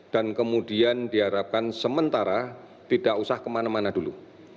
kemudian diharapkan sementara tidak usah kemana mana dulu